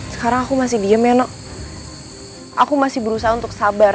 sekarang aku masih diem ya nok aku masih berusaha untuk sabar